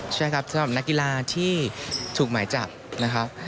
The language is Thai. ใช่ครับสำหรับนักกีฬาที่ถูกหมายจับนะครับ